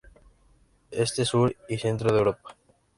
Este, sur y centro de Europa.